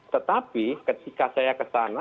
tetapi ketika saya kesana